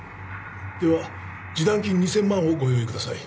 では示談金２０００万をご用意ください。